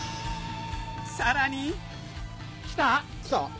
さらに来た？